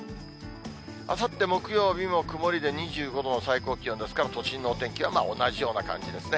あさって木曜日も曇りで２５度の最高気温ですから、都心のお天気は同じような感じですね。